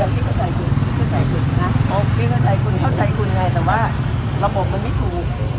พี่เข้าใจคุณเข้าใจคุณไงแต่ว่าระบบมันไม่ถูก